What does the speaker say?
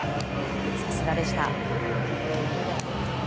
さすがでした。